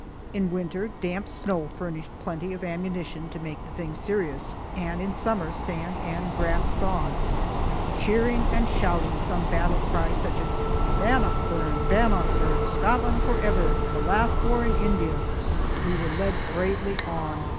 In winter damp snow furnished plenty of ammunition to make the thing serious, and in summer sand and grass sods. Cheering and shouting some battle cry such as "Bannockburn! Bannockburn! Scotland forever! The Last War in India!" we were led bravely on.